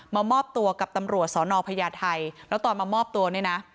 มามอบตัวกับตำรวจสอนอพญาไทยแล้วตอนมามอบตัวเนี่ยนะ